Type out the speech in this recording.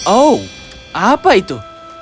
oh apa itu